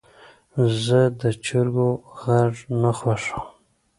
زه د چرګو غږ نه خوښوم.